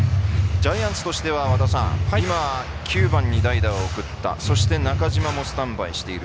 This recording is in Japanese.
ジャイアンツとしては今、９番に代打を送ったそして中島もスタンバイしている。